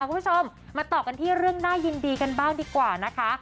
คุณผู้ชมมาต่อกันที่เรื่องน่ายินดีกันบ้างดีกว่านะคะ